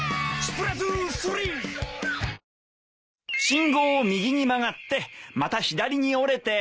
信号を右に曲がってまた左に折れて。